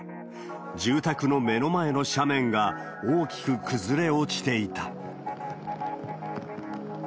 住宅の目の前の斜面が大きく崩れ落ちていた。